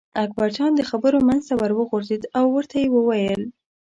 اکبرجان د خبرو منځ ته ور وغورځېد او ورته یې وویل.